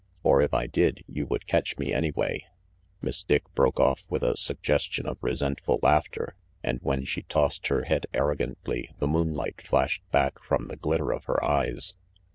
Or if I did, you would catch me anyway." Miss Dick broke off with a suggestion of resentful laughter, and when she tossed her head arrogantly the moonlight flashed back from the glitter of her eyes.